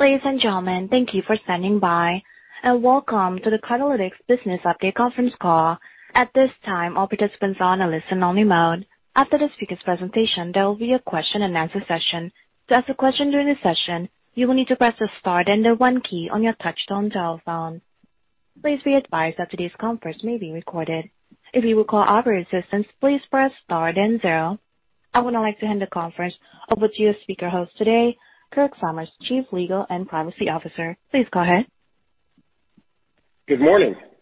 Ladies and gentlemen, thank you for standing by, and welcome to the Cardlytics business update conference call. At this time, all participants are on a listen only mode. After the speaker's presentation, Good morning,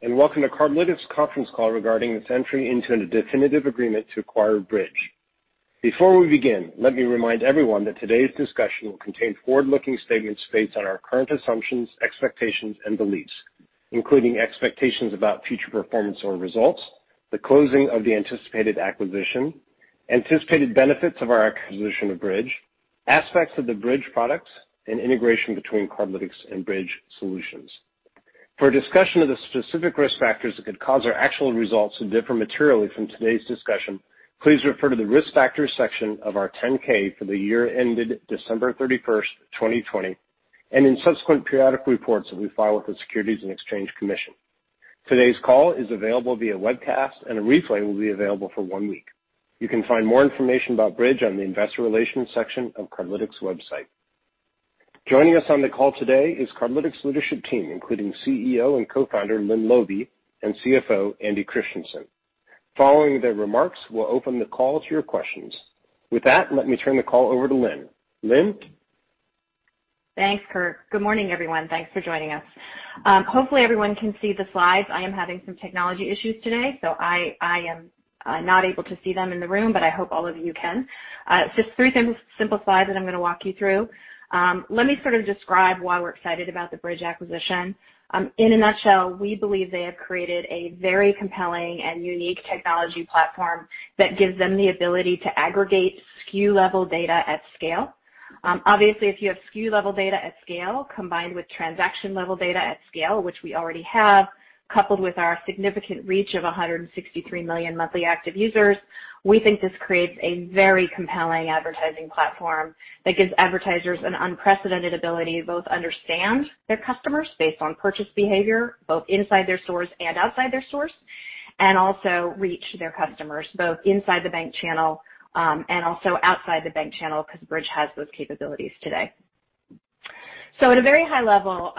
and welcome to Cardlytics' conference call regarding its entry into the definitive agreement to acquire Bridg. Before we begin, let me remind everyone that today's discussion will contain forward-looking statements based on our current assumptions, expectations, and beliefs, including expectations about future performance or results, the closing of the anticipated acquisition, anticipated benefits of our acquisition of Bridg, aspects of the Bridg products, and integration between Cardlytics and Bridg solutions. For a discussion of the specific risk factors that could cause our actual results to differ materially from today's discussion, please refer to the Risk Factors section of our 10-K for the year ended December 31, 2020, and in subsequent periodic reports that we file with the Securities and Exchange Commission. Today's call is available via webcast, and a replay will be available for one week. You can find more information about Bridg on the Investor Relations section of Cardlytics' website. Joining us on the call today is Cardlytics' leadership team, including CEO and co-founder Lynne Laube and CFO Andy Christiansen. Following their remarks, we'll open the call to your questions. With that, let me turn the call over to Lynne. Lynne? Thanks, Kirk. Good morning, everyone. Thanks for joining us. Hopefully, everyone can see the slides. I am having some technology issues today, so I am not able to see them in the room, but I hope all of you can. Just three simple slides that I'm going to walk you through. Let me sort of describe why we're excited about the Bridg acquisition. In a nutshell, we believe they have created a very compelling and unique technology platform that gives them the ability to aggregate SKU-level data at scale. Obviously, if you have SKU-level data at scale combined with transaction-level data at scale, which we already have, coupled with our significant reach of 163 million monthly active users, we think this creates a very compelling advertising platform that gives advertisers an unprecedented ability to both understand their customers based on purchase behavior, both inside their stores and outside their stores, and also reach their customers both inside the bank channel and also outside the bank channel, because Bridg has those capabilities today. At a very high level,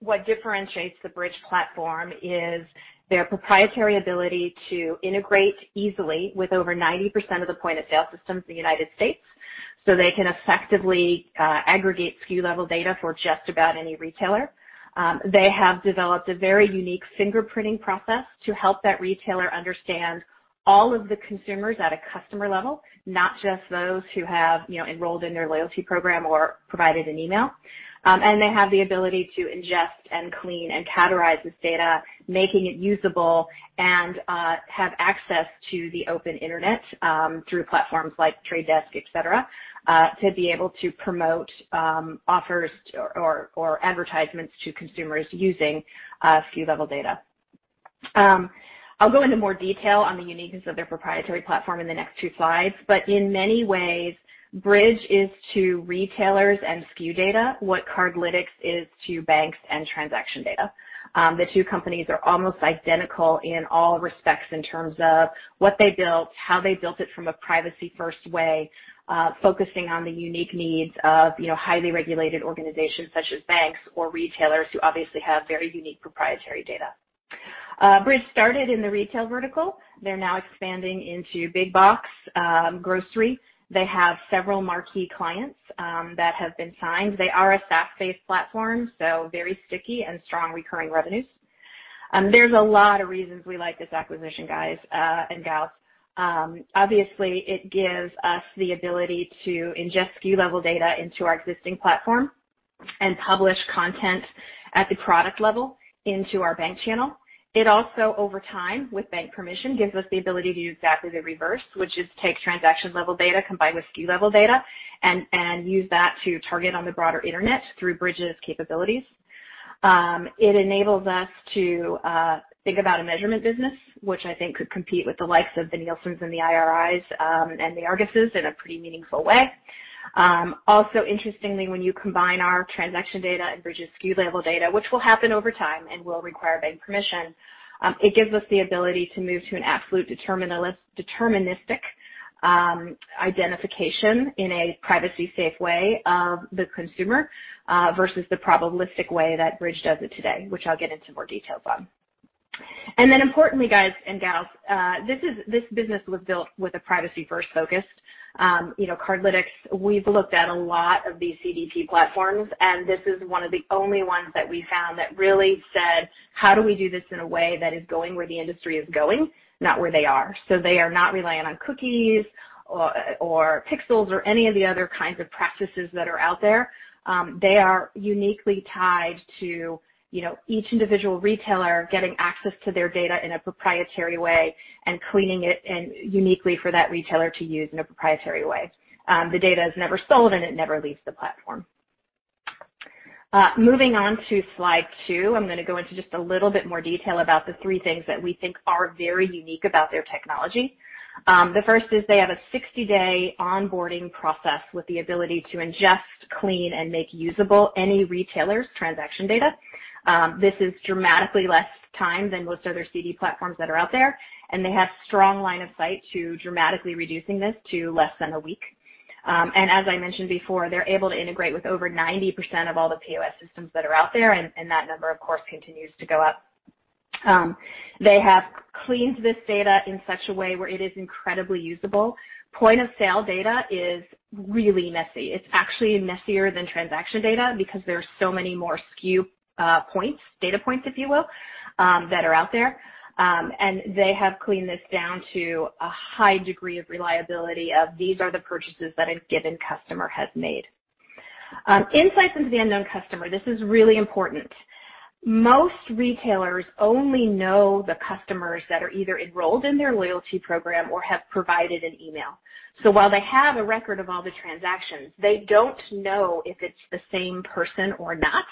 what differentiates the Bridg platform is their proprietary ability to integrate easily with over 90% of the point-of-sale systems in the United States, so they can effectively aggregate SKU-level data for just about any retailer. They have developed a very unique fingerprinting process to help that retailer understand all of the consumers at a customer level, not just those who have enrolled in their loyalty program or provided an email. They have the ability to ingest and clean and categorize this data, making it usable, and have access to the open internet through platforms like The Trade Desk, et cetera, to be able to promote offers or advertisements to consumers using SKU-level data. I'll go into more detail on the uniqueness of their proprietary platform in the next two slides. In many ways, Bridg is to retailers and SKU data what Cardlytics is to banks and transaction data. The two companies are almost identical in all respects in terms of what they built, how they built it from a privacy-first way, focusing on the unique needs of highly regulated organizations such as banks or retailers who obviously have very unique proprietary data. Bridg started in the retail vertical. They're now expanding into big box grocery. They have several marquee clients that have been signed. They are a SaaS-based platform, very sticky and strong recurring revenues. There's a lot of reasons we like this acquisition, guys and gals. Obviously, it gives us the ability to ingest SKU-level data into our existing platform and publish content at the product level into our bank channel. It also, over time, with bank permission, gives us the ability to do exactly the reverse, which is take transaction-level data combined with SKU-level data and use that to target on the broader internet through Bridg's capabilities. It enables us to think about a measurement business, which I think could compete with the likes of the Nielsen and the IRIs and the Arguses in a pretty meaningful way. Also, interestingly, when you combine our transaction data and Bridg's SKU-level data, which will happen over time and will require bank permission, it gives us the ability to move to an absolute deterministic identification in a privacy-safe way of the consumer versus the probabilistic way that Bridg does it today, which I'll get into more details on. Importantly, guys and gals, this business was built with a privacy-first focus. Cardlytics, we've looked at a lot of these CDP platforms, this is one of the only ones that we found that really said, how do we do this in a way that is going where the industry is going, not where they are. They are not relying on cookies or pixels or any of the other kinds of practices that are out there. They are uniquely tied to each individual retailer getting access to their data in a proprietary way and cleaning it and uniquely for that retailer to use in a proprietary way. The data is never sold, and it never leaves the platform. Moving on to slide two. I'm going to go into just a little bit more detail about the three things that we think are very unique about their technology. The first is they have a 60-day onboarding process with the ability to ingest, clean, and make usable any retailer's transaction data. This is dramatically less time than most other CDP platforms that are out there, and they have strong line of sight to dramatically reducing this to less than one week. As I mentioned before, they're able to integrate with over 90% of all the POS systems that are out there, and that number, of course, continues to go up. They have cleaned this data in such a way where it is incredibly usable. Point-of-sale data is really messy. It's actually messier than transaction data because there are so many more SKU points, data points, if you will, that are out there. They have cleaned this down to a high degree of reliability of these are the purchases that a given customer has made. Insights into the unknown customer. This is really important. Most retailers only know the customers that are either enrolled in their loyalty program or have provided an email. While they have a record of all the transactions, they don't know if it's the same person or not,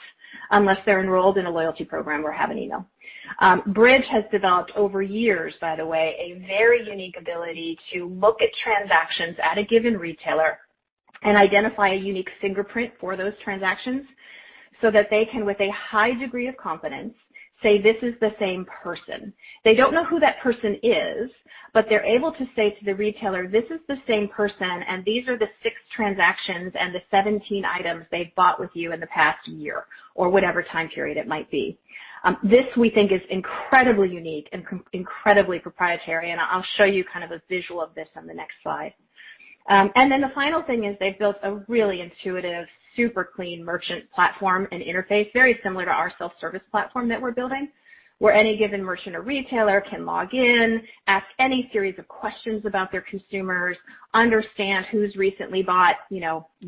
unless they're enrolled in a loyalty program or have an email. Bridg has developed over years, by the way, a very unique ability to look at transactions at a given retailer and identify a unique fingerprint for those transactions so that they can, with a high degree of confidence, say, "This is the same person." They don't know who that person is, but they're able to say to the retailer, "This is the same person, and these are the six transactions and the 17 items they've bought with you in the past year," or whatever time period it might be. This, we think, is incredibly unique and incredibly proprietary, and I'll show you a visual of this on the next slide. Then the final thing is they've built a really intuitive, super clean merchant platform and interface, very similar to our self-service platform that we're building, where any given merchant or retailer can log in, ask any series of questions about their consumers, understand who's recently bought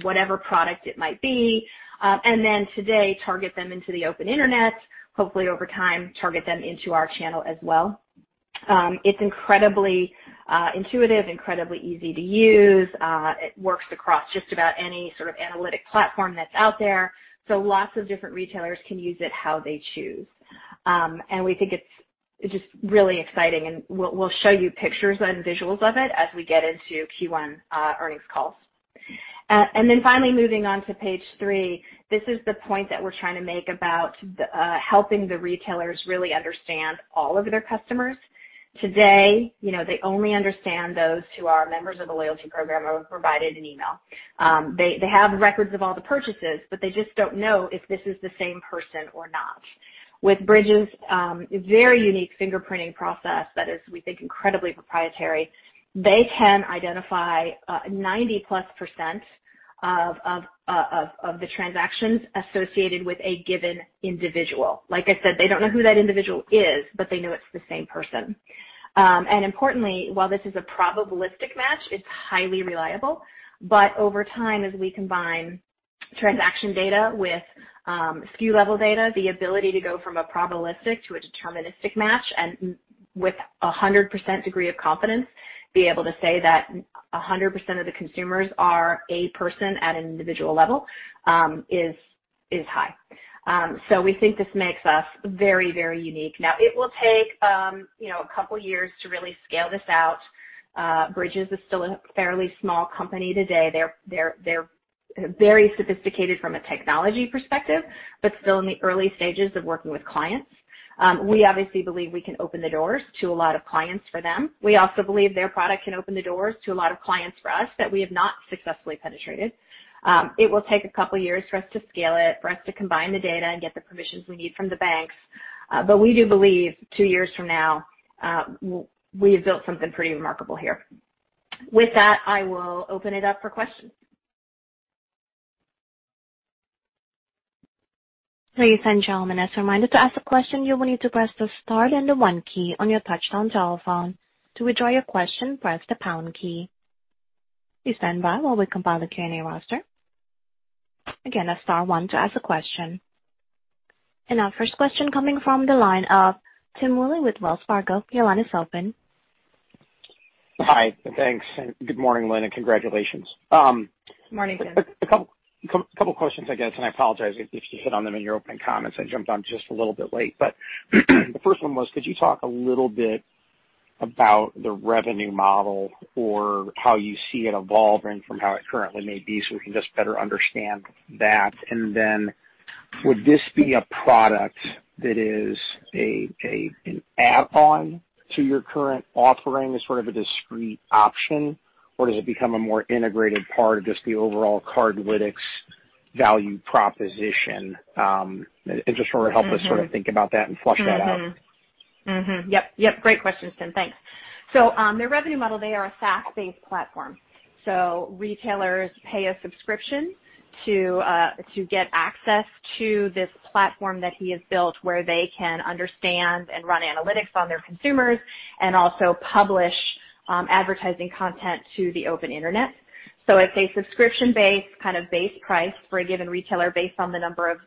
whatever product it might be, and then today, target them into the open internet, hopefully over time, target them into our channel as well. It's incredibly intuitive, incredibly easy to use. It works across just about any sort of analytic platform that's out there. Lots of different retailers can use it how they choose. We think it's just really exciting, and we'll show you pictures and visuals of it as we get into Q1 earnings calls. Finally moving on to page three. This is the point that we're trying to make about helping the retailers really understand all of their customers. Today, they only understand those who are members of the loyalty program or have provided an email. They have records of all the purchases, but they just don't know if this is the same person or not. With Bridg's very unique fingerprinting process that is, we think, incredibly proprietary, they can identify 90+% of the transactions associated with a given individual. Like I said, they don't know who that individual is, but they know it's the same person. Importantly, while this is a probabilistic match, it's highly reliable. Over time, as we combine transaction data with SKU level data, the ability to go from a probabilistic to a deterministic match and with 100% degree of confidence, be able to say that 100% of the consumers are a person at an individual level, is high. We think this makes us very, very unique. It will take a couple years to really scale this out. Bridg's is still a fairly small company today. They're very sophisticated from a technology perspective, but still in the early stages of working with clients. We obviously believe we can open the doors to a lot of clients for them. We also believe their product can open the doors to a lot of clients for us that we have not successfully penetrated. It will take a couple of years for us to scale it, for us to combine the data and get the permissions we need from the banks. We do believe two years from now, we have built something pretty remarkable here. With that, I will open it up for questions. Ladies and gentlemen, as a reminder, to ask a question, you will need to press the star then the one key on your touchtone telephone. To withdraw your question, press the pound key. Please stand by while we compile the Q&A roster. Again, that's star one to ask a question. Our first question coming from the line of Tim Willi with Wells Fargo, your line is open. Hi, thanks and good morning, Lynne, and congratulations. Morning, Tim. A couple questions I guess, and I apologize if you hit on them in your open comments. I jumped on just a little bit late, but first one was could you talk a little bit about the revenue model or how you see it evolving from how it currently may be so we can just better understand that? And then would this be a product that is an add on to your current offering as sort of a discrete option, or does it become a more integrated part of just the overall Cardlytics value proposition? Interestor would help us sort of think about that and flush that out. Mm-hmm. Yep. Great question, Tim. Thanks. Their revenue model, they are a SaaS-based platform. Retailers pay a subscription to get access to this platform that he has built, where they can understand and run analytics on their consumers, and also publish advertising content to the open internet. It's a subscription-based base price for a given retailer based on the number of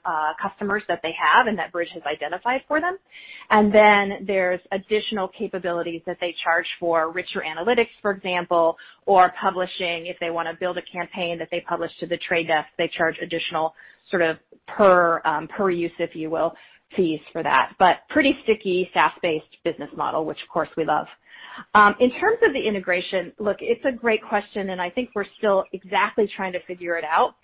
customers that they have and that Bridg has identified for them. Then there's additional capabilities that they charge for richer analytics, for example, or publishing. If they want to build a campaign that they publish to The Trade Desk, they charge additional Per use, if you will, fees for that. Pretty sticky SaaS-based business model, which of course we love. In terms of the integration, look, it's a great question, and I think we're still exactly trying to figure it out.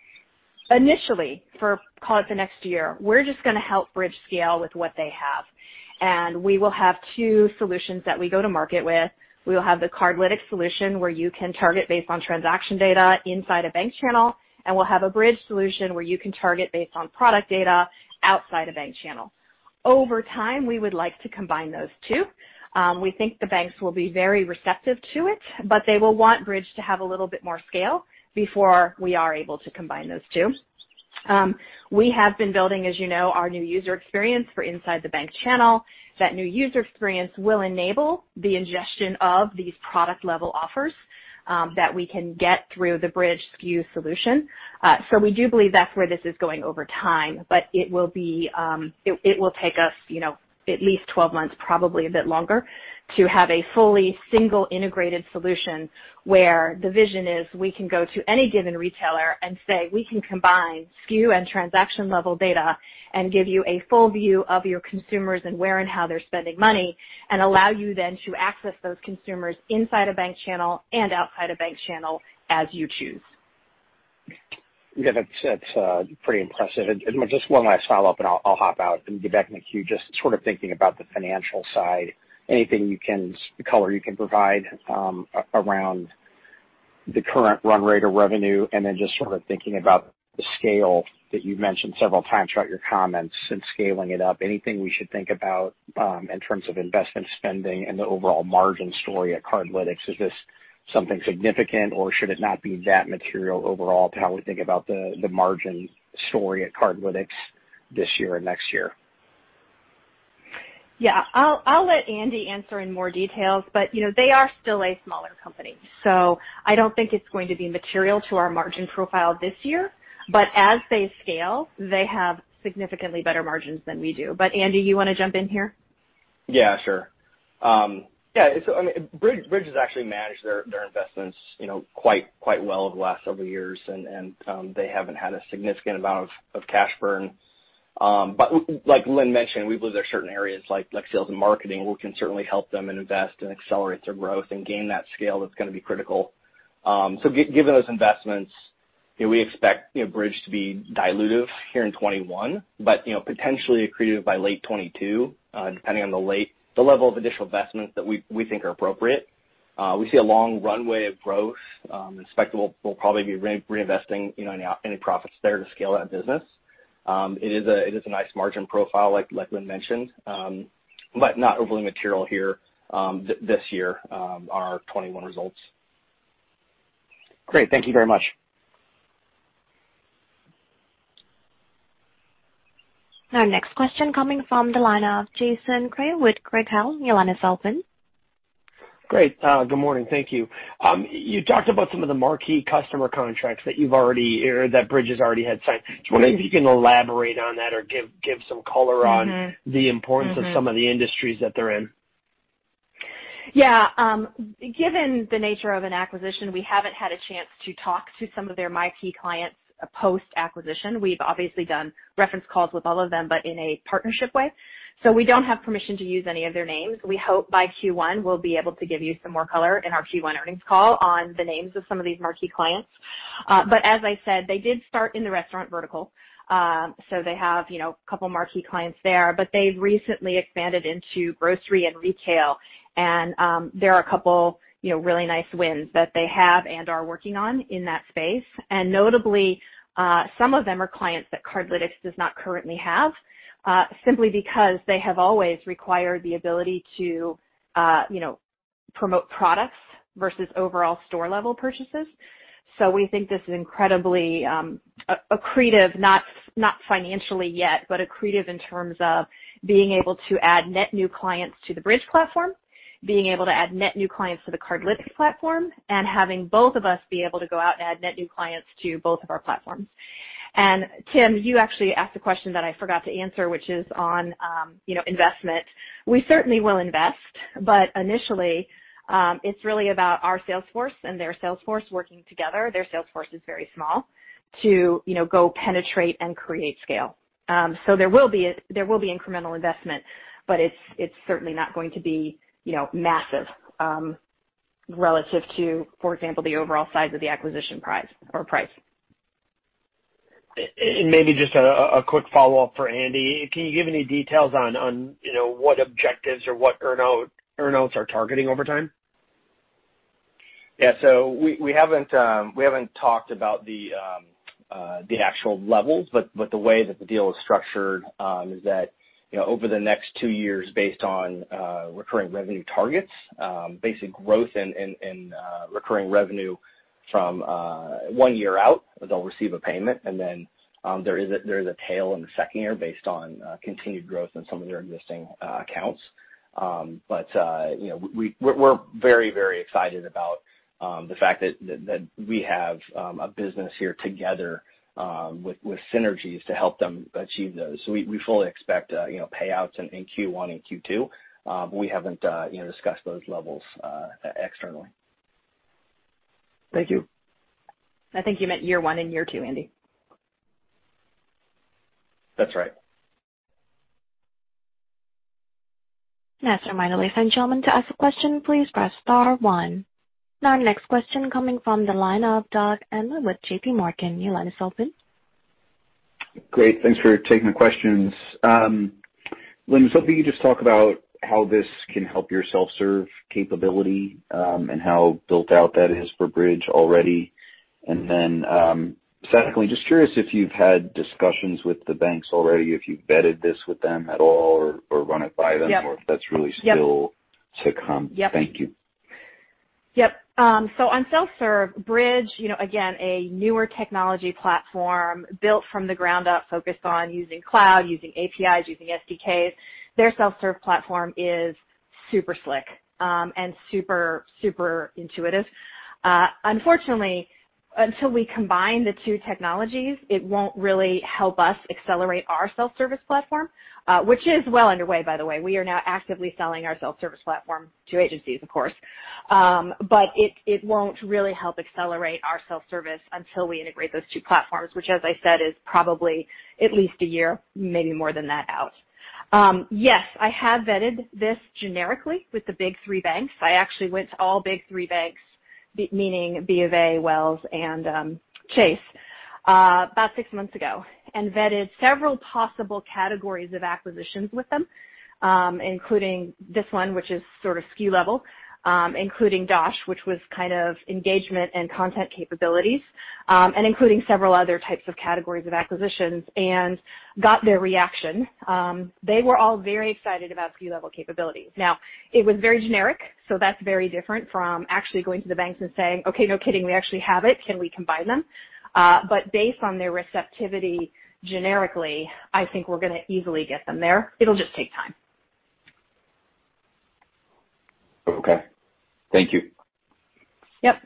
Initially, for call it the next year, we're just going to help Bridg scale with what they have. We will have two solutions that we go to market with. We will have the Cardlytics solution, where you can target based on transaction data inside a bank channel, and we'll have a Bridg solution where you can target based on product data outside a bank channel. Over time, we would like to combine those two. We think the banks will be very receptive to it, but they will want Bridg to have a little bit more scale before we are able to combine those two. We have been building, as you know, our new user experience for inside the bank channel. That new user experience will enable the ingestion of these product-level offers that we can get through the Bridg SKU solution. We do believe that's where this is going over time, but it will take us at least 12 months, probably a bit longer, to have a fully single integrated solution where the vision is we can go to any given retailer and say we can combine SKU and transaction-level data and give you a full view of your consumers and where and how they're spending money and allow you then to access those consumers inside a bank channel and outside a bank channel as you choose. Yeah, that's pretty impressive. Just one last follow-up and I'll hop out and get back in the queue. Just thinking about the financial side, anything you can color you can provide around the current run rate of revenue and then just thinking about the scale that you've mentioned several times throughout your comments and scaling it up. Anything we should think about in terms of investment spending and the overall margin story at Cardlytics? Is this something significant or should it not be that material overall to how we think about the margin story at Cardlytics this year and next year? Yeah. I'll let Andy answer in more details, but they are still a smaller company, so I don't think it's going to be material to our margin profile this year. As they scale, they have significantly better margins than we do. Andy, you want to jump in here? Sure. Bridg has actually managed their investments quite well over the last several years and they haven't had a significant amount of cash burn. Like Lynne mentioned, we believe there are certain areas like sales and marketing where we can certainly help them and invest and accelerate their growth and gain that scale that's going to be critical. Given those investments, we expect Bridg to be dilutive here in 2021, but potentially accretive by late 2022, depending on the level of additional investments that we think are appropriate. We see a long runway of growth. Expect we'll probably be reinvesting any profits there to scale that business. It is a nice margin profile like Lynne mentioned, but not overly material here this year, our 2021 results. Great. Thank you very much. Our next question coming from the line of Jason Kreyer with Craig-Hallum. Your line is open. Great. Good morning. Thank you. You talked about some of the marquee customer contracts that Bridg has already had signed. I was wondering if you can elaborate on that or give some color the importance of some of the industries that they're in. Given the nature of an acquisition, we haven't had a chance to talk to some of their marquee clients post-acquisition. We've obviously done reference calls with all of them, but in a partnership way. We don't have permission to use any of their names. We hope by Q1 we'll be able to give you some more color in our Q1 earnings call on the names of some of these marquee clients. As I said, they did start in the restaurant vertical. They have a couple of marquee clients there, but they've recently expanded into grocery and retail and there are a couple really nice wins that they have and are working on in that space. Notably, some of them are clients that Cardlytics does not currently have simply because they have always required the ability to promote products versus overall store-level purchases. We think this is incredibly accretive, not financially yet, but accretive in terms of being able to add net new clients to the Bridg platform, being able to add net new clients to the Cardlytics platform, and having both of us be able to go out and add net new clients to both of our platforms. Tim, you actually asked a question that I forgot to answer, which is on investment. We certainly will invest, but initially, it's really about our sales force and their sales force working together, their sales force is very small, to go penetrate and create scale. There will be incremental investment, but it's certainly not going to be massive relative to for example, the overall size of the acquisition price. Maybe just a quick follow-up for Andy. Can you give any details on what objectives or what earn-outs are targeting over time? Yeah. We haven't talked about the actual levels, but the way that the deal is structured is that over the next two years based on recurring revenue targets, basic growth and recurring revenue from one year out, they'll receive a payment and then there is a tail in the second year based on continued growth in some of their existing accounts. We're very excited about the fact that we have a business here together with synergies to help them achieve those. We fully expect payouts in Q1 and Q2. We haven't discussed those levels externally. Thank you. I think you meant year one and year two, Andy. That's right. Yes. A reminder, ladies and gentlemen, to ask a question, please press star one. Our next question coming from the line of Doug Anmuth with JPMorgan. Your line is open. Great. Thanks for taking the questions. Lynne, was hoping you could just talk about how this can help your self-serve capability, how built out that is for Bridg already. Then, secondly, just curious if you've had discussions with the banks already, if you've vetted this with them at all or run it by them? Yep if that's really still to come. Yep. Thank you. On self-serve, Bridg, again, a newer technology platform built from the ground up, focused on using cloud, using APIs, using SDKs. Their self-serve platform is super slick, and super intuitive. Unfortunately, until we combine the two technologies, it won't really help us accelerate our self-service platform, which is well underway by the way. We are now actively selling our self-service platform to agencies, of course. It won't really help accelerate our self-service until we integrate those two platforms, which as I said, is probably at least a year, maybe more than that out. Yes, I have vetted this generically with the big three banks. I actually went to all big three banks, meaning B of A, Wells and Chase, about six months ago and vetted several possible categories of acquisitions with them, including this one which is sort of SKU Level, including Dosh, which was kind of engagement and content capabilities, and including several other types of categories of acquisitions and got their reaction. They were all very excited about SKU Level capabilities. Now it was very generic, so that's very different from actually going to the banks and saying, "Okay, no kidding, we actually have it. Can we combine them?" Based on their receptivity generically, I think we're going to easily get them there. It'll just take time. Okay. Thank you. Yep.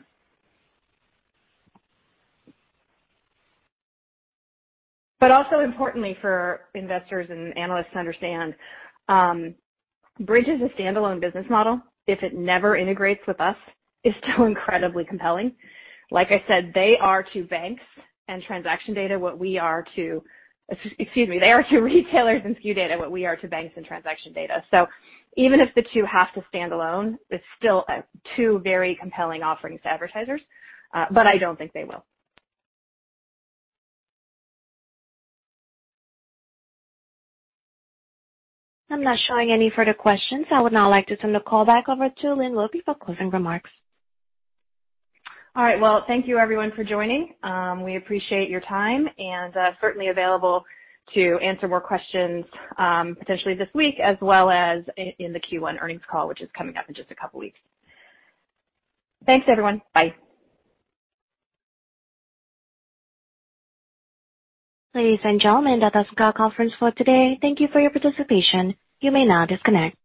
Also importantly for investors and analysts to understand, Bridg is a standalone business model. If it never integrates with us, it's still incredibly compelling. Like I said, they are to banks and transaction data what we are to retailers and SKU data what we are to banks and transaction data. Even if the two have to stand alone, it's still two very compelling offerings to advertisers. I don't think they will. I'm not showing any further questions. I would now like to turn the call back over to Lynne Laube for closing remarks. All right, well, thank you everyone for joining. We appreciate your time and certainly available to answer more questions potentially this week as well as in the Q1 earnings call, which is coming up in just a couple of weeks. Thanks, everyone. Bye. Ladies and gentlemen, that does end our conference for today. Thank you for your participation. You may now disconnect.